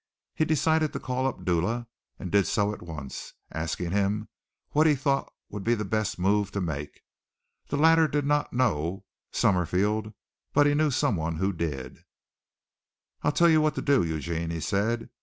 He decided to call up Dula and did so at once, asking him what he thought would be the best move to make. The latter did not know Summerville, but he knew someone who did. "I'll tell you what you do, Eugene," he said.